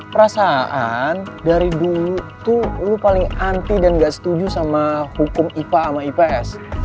perasaan dari dulu tuh lu paling anti dan gak setuju sama hukum ipa sama ips